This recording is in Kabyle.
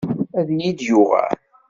Ad iyi-d-yuɣal.